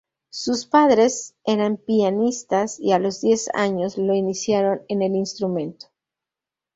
Sus padres eran pianistas y a los diez años lo iniciaron en el instrumento.